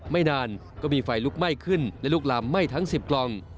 ไม่นานก็มีไฟลุกไหม้ขึ้นและลุกลามไหม้ทั้ง๑๐กล่อง